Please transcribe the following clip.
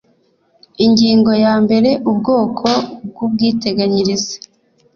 ingingo ya mbere ubwoko bw ubwiteganyirize